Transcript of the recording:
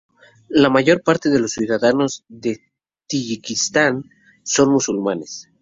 La mayor parte de los ciudadanos de Tayikistán son musulmanes.